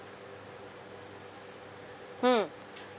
うん。